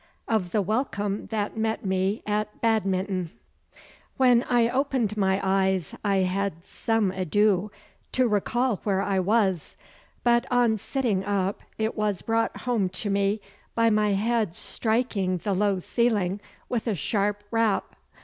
Of the Welcome that met me at Badminton When I opened my eyes I had some ado to recall where I was, but on sitting up it was brought home to me by my head striking the low ceiling with a sharp rap.